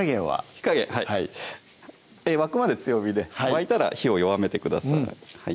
火加減はい沸くまで強火で沸いたら火を弱めてください